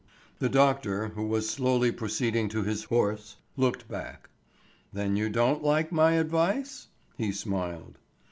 The doctor who was slowly proceeding to his horse's head, looked back. "Then you don't like my advice," he smiled.